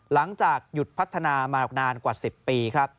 หลังจากหยุดพัฒนามานานกว่า๑๐ปีครับ